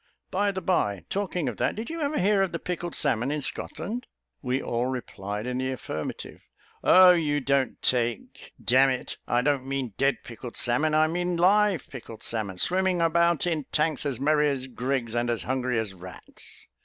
By the by, talking of that, did you ever hear of the pickled salmon in Scotland?" We all replied in the affirmative. "Oh, you don't take. D it, I don't mean dead pickled salmon; I mean live pickled salmon, swimming about in tanks, as merry as grigs, and as hungry as rats."